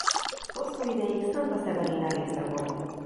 Hosszú ideig Santa Severina része volt.